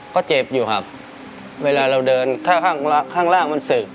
ก็เจ็บอยู่ครับเวลาเราเดินถ้าข้างล่างมันศึก